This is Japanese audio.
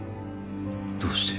どうして